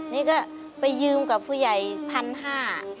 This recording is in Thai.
นี่ก็ไปยืมกับผู้ใหญ่๑๕๐๐บาท